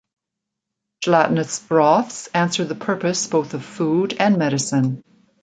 Gelatinous broths answer the purpose both of food and medicine.